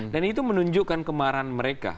dan itu menunjukkan kemarahan mereka